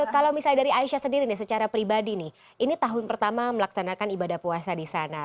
kalau misalnya dari aisyah sendiri nih secara pribadi nih ini tahun pertama melaksanakan ibadah puasa di sana